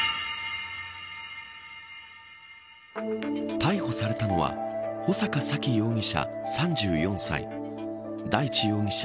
逮捕されたのは穂坂沙喜容疑者、３４歳大地容疑者